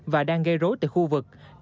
và đang gây rối tại khu vực